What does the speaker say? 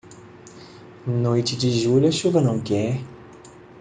Noite de julho, a chuva não quer.